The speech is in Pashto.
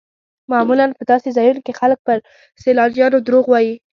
معمولا په داسې ځایونو کې خلک پر سیلانیانو دروغ وایي.